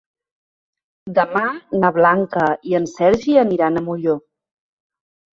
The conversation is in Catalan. Demà na Blanca i en Sergi aniran a Molló.